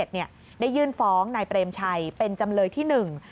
ได้ยื่นฟ้องนายเปรมชัยเป็นจำเลยที่หนึ่ง